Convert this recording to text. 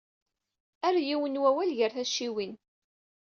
Err yiwen n wawal gar tacciwin.